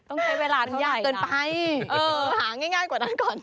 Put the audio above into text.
ต้องใช้เวลาใหญ่นะเออหาง่ายกว่านั้นก่อน